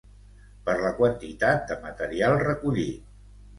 per la quantitat de material recollit